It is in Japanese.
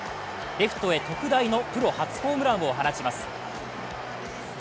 レフトへ特大のプロ初ホームランを放ちます。